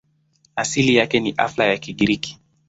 Asili yake ni Alfa ya Kigiriki.